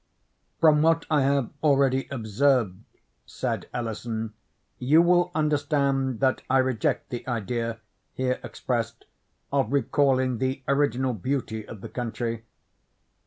"From what I have already observed," said Ellison, "you will understand that I reject the idea, here expressed, of recalling the original beauty of the country.